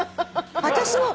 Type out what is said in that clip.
私も。